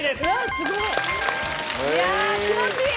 すごい！いや気持ちいい！